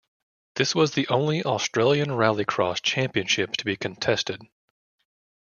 This was the only Australian Rallycross Championship to be contested.